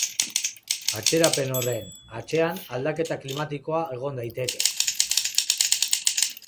Atzerapen horren atzean aldaketa klimatikoa egon daiteke.